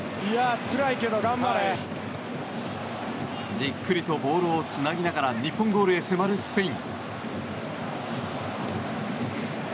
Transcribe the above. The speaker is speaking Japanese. じっくりとボールをつなぎながら日本ゴールへ迫るスペイン。